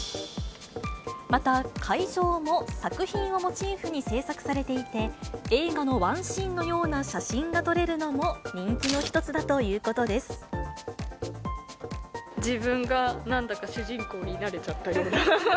また会場も作品をモチーフに制作されていて、映画のワンシーンのような写真が撮れるのも人気の一つだというこ自分がなんだか主人公になれちゃったような。